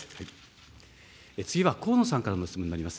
次は、河野さんからの質問になります。